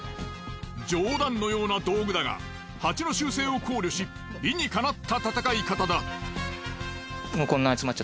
冗談のような道具だがハチの習性を考慮し理にかなった戦い方だ。